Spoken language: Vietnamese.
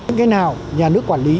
những cái nào nhà nước quản lý